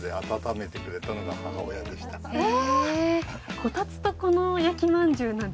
こたつと、この焼きまんじゅうなんて